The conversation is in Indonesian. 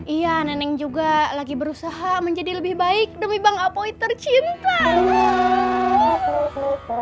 iya neneng juga lagi berusaha menjadi lebih baik demi bang apoid tercinta